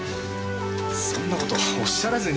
そんな事おっしゃらずに。